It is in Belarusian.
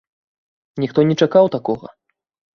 Ніхто не чакаў такога.